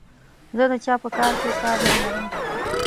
زه د چا په کار کې کار نه لرم.